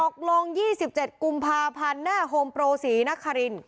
ตกลง๒๗กุมภาพันธ์หน้าห่มโปรศรีหน้าคะลิ้น